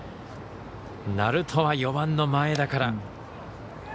鳴門は４番の前田から。